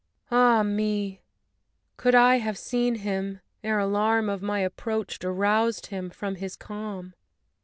Ah, me! could I have seen him ere alarm Of my approach aroused him from his calm!